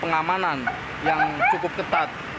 pengamanan yang cukup ketat